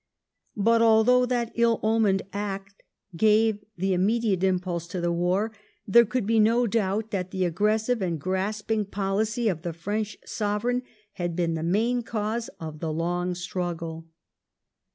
But, although that ill omened act gave the immediate impulse to the war, there could be no doubt that the aggressive and grasping policy of the French Sovereign had been the main cause of the long struggle.